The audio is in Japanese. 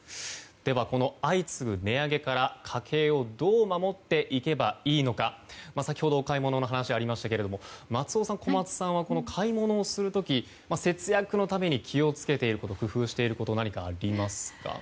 では、相次ぐ値上げから家計をどう守っていけばいいのか先ほどお買い物の話がありましたが松尾さん、小松さんは買い物をする時節約のために気を付けていること工夫していることは何かありますか？